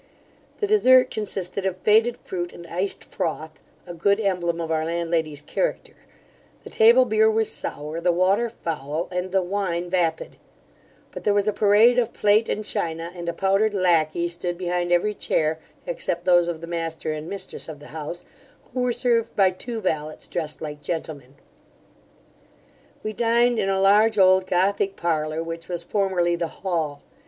The desert consisted of faded fruit and iced froth, a good emblem of our landlady's character; the table beer was sour, the water foul, and the wine vapid; but there was a parade of plate and china, and a powdered lacquey stood behind every chair, except those of the master and mistress of the house, who were served by two valets dressed like gentlemen. We dined in a large old Gothic parlour, which was formerly the hall.